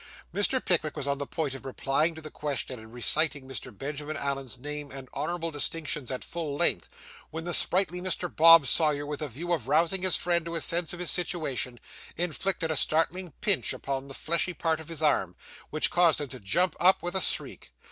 Mr. Pickwick was on the point of replying to the question, and reciting Mr. Benjamin Allen's name and honourable distinctions at full length, when the sprightly Mr. Bob Sawyer, with a view of rousing his friend to a sense of his situation, inflicted a startling pinch upon the fleshly part of his arm, which caused him to jump up with a shriek.